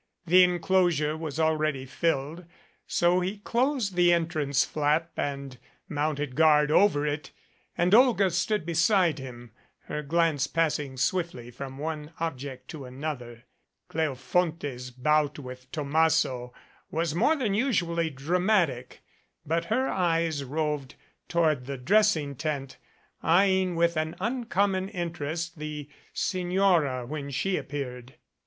The enclos ure was already filled, so he closed the entrance flap and mounted guard over it and Olga stood beside him, her glance passing swiftly from one object to another. Cleo fonte's bout with Tomasso was more than usually dra matic, but her eyes roved toward the dressing tent, eyeing with an uncommon interest the Signora when she ap peared.